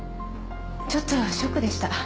ちょっとショックでした。